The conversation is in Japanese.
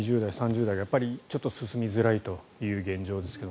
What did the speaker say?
２０代、３０代が進みづらいという現状ですが。